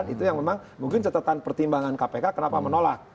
itu yang memang mungkin catatan pertimbangan kpk kenapa menolak